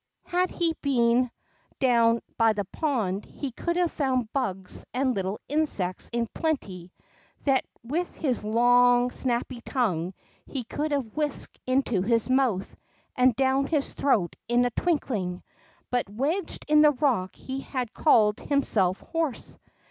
Had he been down by the pond, he could have found bugs and little insects in plenty, that with his long, snappy tongue he could have whisked into his mouth and down his throat in a twinkling. But wedged in the rock he had called himself hoarse.